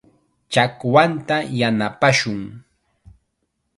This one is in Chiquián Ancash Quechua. Chakwanta yanapashun.